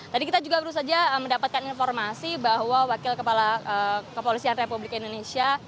tadi kita juga baru saja mendapatkan informasi bahwa wakil kepala kepolisian republik indonesia